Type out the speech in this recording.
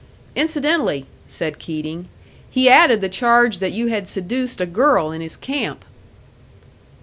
"Incidentally," said Keating, "he added the charge that you had seduced a girl in his camp."